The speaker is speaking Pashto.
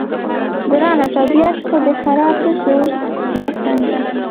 ګرانه، طبیعت خو دې خراب نه شو؟ نه، سم یم.